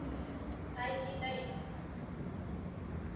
তাই কি তাই?